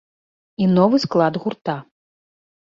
І новы склад гурта.